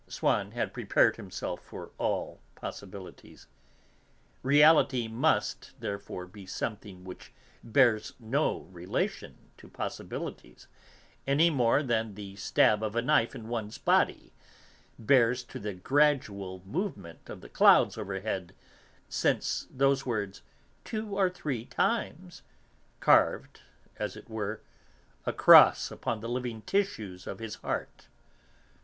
Swann had prepared himself for all possibilities. Reality must, therefore, be something which bears no relation to possibilities, any more than the stab of a knife in one's body bears to the gradual movement of the clouds overhead, since those words "two or three times" carved, as it were, a cross upon the living tissues of his heart.